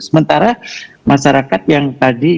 sementara masyarakat yang tadi